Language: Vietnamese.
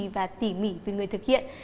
và tỉ mỉ từ người thực hiện